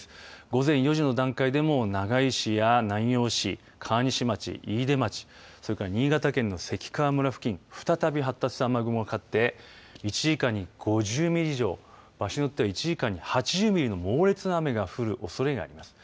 午前４時の段階でも長井市や南陽市、川西町飯豊町それから新潟県の関川村付近再び発達した雨雲がかかって１時間に５０ミリ以上場所によっては１時間に８０ミリの猛烈な雨が降るおそれがあります。